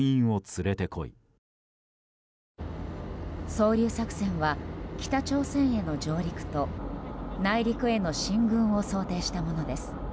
双竜作戦は、北朝鮮への上陸と内陸への進軍を想定したものです。